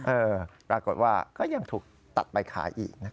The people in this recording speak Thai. เออปรากฏว่าก็ยังถูกตัดไปขายอีกนะครับ